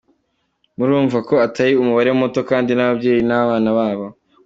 Murumva ko atari umubare muto kandi n’ababyeyi n’abana babo.